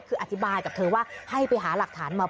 คืออธิบายกับเธอว่าให้ไปหาหลักฐานมา